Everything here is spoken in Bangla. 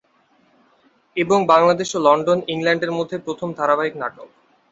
এবং বাংলাদেশ ও লন্ডন, ইংল্যান্ডের মধ্যে প্রথম ধারাবাহিক নাটক।